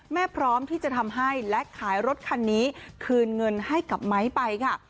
พร้อมที่จะทำให้และขายรถคันนี้คืนเงินให้กับไม้ไปค่ะ